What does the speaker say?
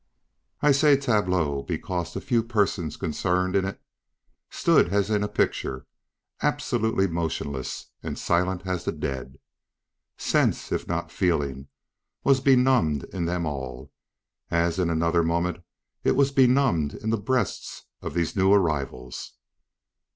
I say "tableau" because the few persons concerned in it stood as in a picture, absolutely motionless and silent as the dead. Sense, if not feeling, was benumbed in them all, as in another moment it was benumbed in the breasts of these new arrivals.